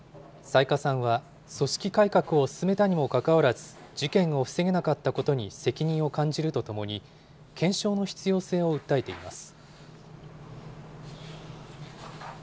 雑賀さんは、組織改革を進めたにもかかわらず、事件を防げなかったことに責任を感じるとともに、検証の必要性を訴えています。